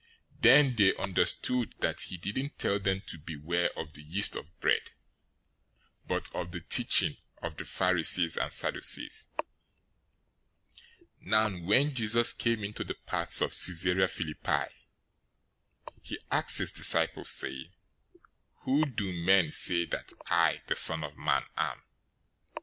016:012 Then they understood that he didn't tell them to beware of the yeast of bread, but of the teaching of the Pharisees and Sadducees. 016:013 Now when Jesus came into the parts of Caesarea Philippi, he asked his disciples, saying, "Who do men say that I, the Son of Man, am?"